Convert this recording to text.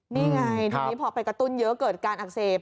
นี่ไงทีนี้พอไปกระตุ้นเยอะเกิดการอักเสบ